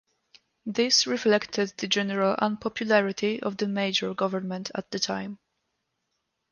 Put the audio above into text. This reflected the general unpopularity of the Major government at the time.